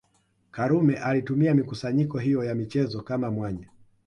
Karume alitumia mikusanyiko hiyo ya michezo kama mwanya